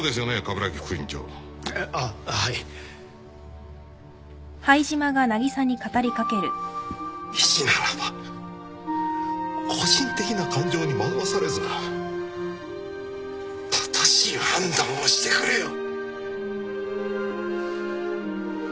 医師ならば個人的な感情に惑わされず正しい判断をしてくれよ！